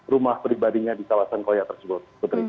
rumah pribadinya di kawasan koya tersebut putri